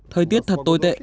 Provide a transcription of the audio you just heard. thời tiết thật tồi tệ